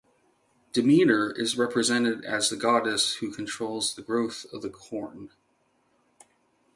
Demeter is represented as the goddess who controls the growth of the corn.